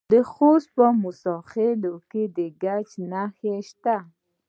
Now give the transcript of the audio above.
د خوست په موسی خیل کې د ګچ نښې شته.